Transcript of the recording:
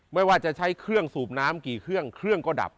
ไม่ว่าจะใช้เครื่องสูบน้ำกี่เครื่องเครื่องก็ดับ